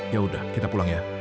yaudah kita pulang ya